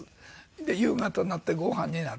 で夕方になってご飯になる。